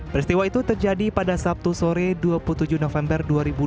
peristiwa itu terjadi pada sabtu sore dua puluh tujuh november dua ribu dua puluh